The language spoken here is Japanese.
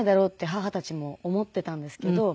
母たちも思っていたんですけど。